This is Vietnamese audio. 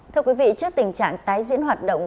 thưa quý vị trước tình trạng tái diễn hoạt động